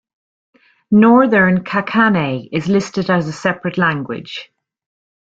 Northern Kankanaey is listed as a separate language.